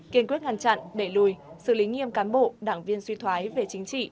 kiên quyết ngăn chặn đẩy lùi xử lý nghiêm cán bộ đảng viên suy thoái về chính trị